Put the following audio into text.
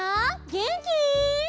げんき？